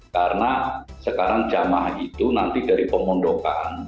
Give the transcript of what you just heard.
karena sekarang jemaah itu nanti dari pemondokan